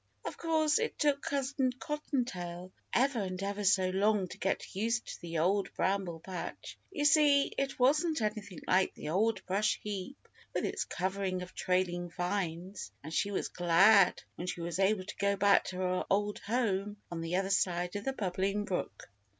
Of course, it took Cousin Cotton Tail ever and ever so long to get used to the Old Bramble Patch. You see, it wasn't anything like the Old Brush Heap, with its covering of trailing vines, and she was glad when she was able to go back to her old home on the other side of the Bubbling Brook.